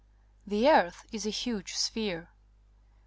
— The earth is a huge sphere.